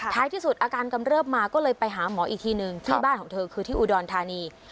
ที่สุดอาการกำเริบมาก็เลยไปหาหมออีกทีหนึ่งที่บ้านของเธอคือที่อุดรธานี